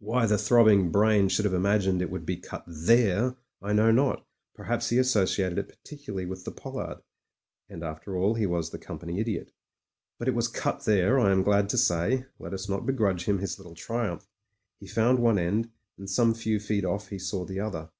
Why the throbbing brain should have imagined it would be cut there, I know not; perhaps he associated it particularly with the pollard — and after all he was the Company Idiot. But it was cut there, I am glad to say ; let us not begrudge him his little triumph. He found one end, and some few feet off he saw the other.